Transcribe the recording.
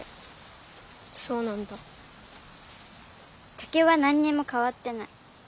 竹は何にもかわってない。